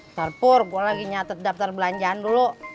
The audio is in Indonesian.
ntar pur gue lagi nyatet daftar belanjaan dulu